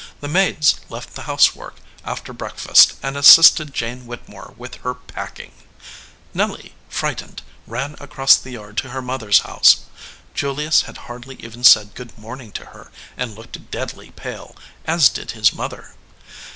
The maids left the housework after breakfast and as sisted Jane Whittemore with her packing. Nelly, frightened, ran across the yard to her mother s house. Julius had hardly even said good morning to her, and looked deadly pale, as did his mother.